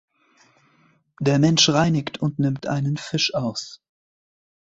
Der Mensch reinigt und nimmt einen Fisch aus.